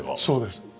そうです。